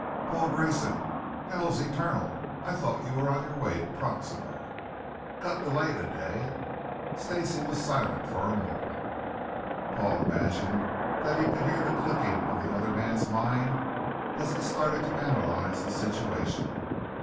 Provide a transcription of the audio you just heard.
"Paul Grayson." "Hell's Eternal I thought you were on your way to Proxima." "Got delayed a day." Stacey was silent for a moment; Paul imagined that he could hear the clicking of the other man's mind as it started to analyze the situation.